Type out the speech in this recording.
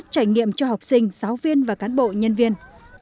trải nghiệm cho học sinh giáo viên và cán bộ nhân viên